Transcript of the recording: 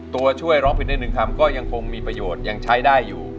ตัวช่วยร้องผิดได้๑คำก็ยังคงมีประโยชน์ยังใช้ได้อยู่